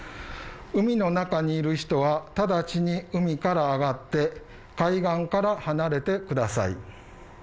海の中にいる人は直ちに海から上がって海岸から離れてください。